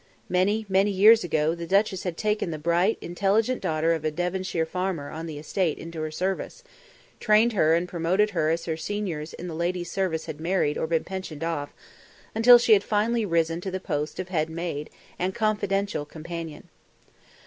Many, many years ago the duchess had taken the bright, intelligent daughter of a Devonshire farmer on the estate into her service; trained her and promoted her as her seniors in the lady's service had married or been pensioned off, until she had finally risen to the post of head maid and confidential companion.